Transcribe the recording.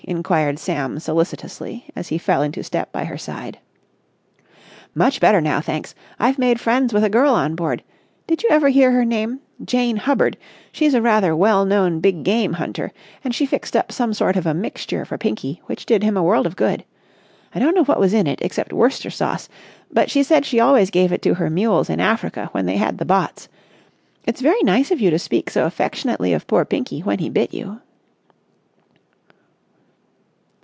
inquired Sam solicitously, as he fell into step by her side. "Much better now, thanks. I've made friends with a girl on board—did you ever hear her name—Jane Hubbard—she's a rather well known big game hunter, and she fixed up some sort of a mixture for Pinky which did him a world of good. I don't know what was in it except Worcester Sauce, but she said she always gave it to her mules in Africa when they had the botts ... it's very nice of you to speak so affectionately of poor Pinky when he bit you."